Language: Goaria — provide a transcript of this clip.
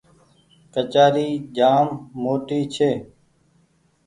ڪچآري جآم موٽي ڇي۔